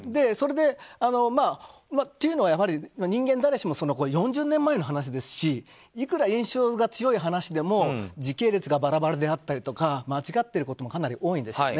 というのは、人間誰しも４０年前の話ですしいくら印象が強い話でも時系列がバラバラであったり間違っていることもかなり多いんですよね。